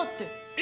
え？